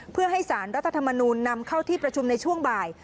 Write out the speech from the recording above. เพื่อให้สารรัฐธรรมนูลนำเข้าที่ประชุมในช่วงบ่าย